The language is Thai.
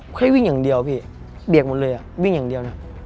แค่วิ่งอย่างเดียวพี่เบียกหมดเลยอ่ะวิ่งอย่างเดียวนะ